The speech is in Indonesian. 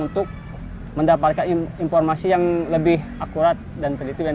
untuk mendapatkan informasi yang lebih akurat dan penelitian